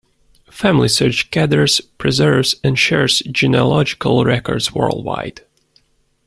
FamilySearch gathers, preserves, and shares genealogical records worldwide.